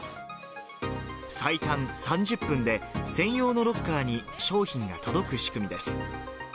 最短３０分で、専用のロッカーに商品が届く仕組みです。